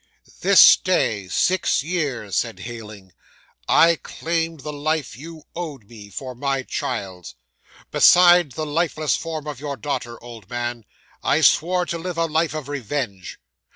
'"This day six years," said Heyling, "I claimed the life you owed me for my child's. Beside the lifeless form of your daughter, old man, I swore to live a life of revenge.